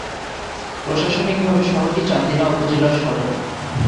প্রশাসনিকভাবে শহরটি চান্দিনা উপজেলার সদর।